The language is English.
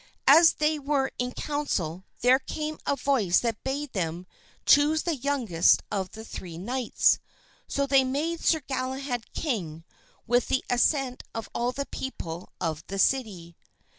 As they were in council there came a voice that bade them choose the youngest of the three knights. So they made Sir Galahad king with the assent of all the people of the city.